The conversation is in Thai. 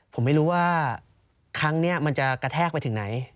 ผมไม่รู้ว่าครั้งนี้มันจะกระแทกไปถึงไหน